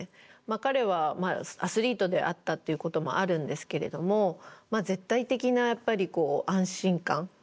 彼はアスリートであったっていうこともあるんですけれども絶対的なやっぱり安心感。